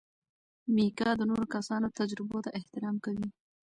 میکا د نورو کسانو تجربو ته احترام کوي.